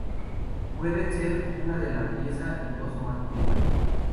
Pueden ser de una pieza y de dos o más piezas.